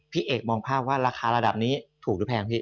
พี่เอกมองภาพว่าราคาระดับนี้ถูกหรือแพงพี่